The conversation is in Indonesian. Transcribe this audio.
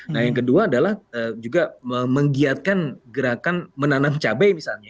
nah yang kedua adalah juga menggiatkan gerakan menanam cabai misalnya